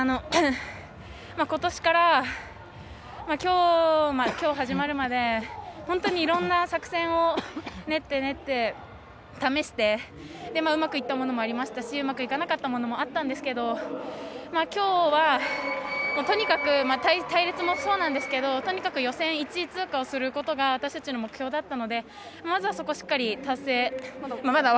ことしからきょう始まるまで本当にいろんな作戦を練って、練って試してうまくいったものもありましたしうまくいかなかったものもあったんですけどきょうは、とにかく隊列もそうなんですけどとにかく予選１位通過をすることが私たちの目標だったのでまずはそこ、しっかり達成。